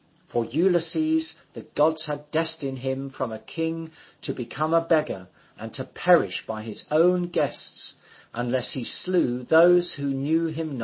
For Ulysses, the gods had destined him from a king to become a beggar, and to perish by his own guests, unless he slew those who knew him not_.